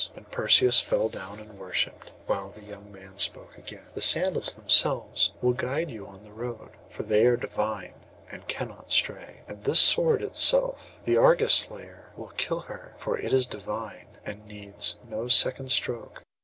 Then Perseus fell down and worshipped, while the young man spoke again: 'The sandals themselves will guide you on the road, for they are divine and cannot stray; and this sword itself, the Argus slayer, will kill her, for it is divine, and needs no second stroke.